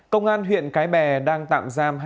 công an huyện cái bè đang tạm giam